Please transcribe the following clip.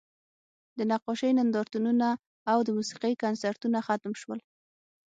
د نقاشۍ نندارتونونه او د موسیقۍ کنسرتونه ختم شول